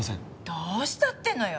どうしたっていうのよ？